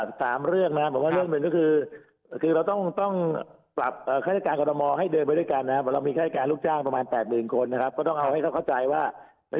แหม่เป็นวาทีผู้ว่ากฐมอร์นะฮะขอบคุณครับคุณชัชชาติ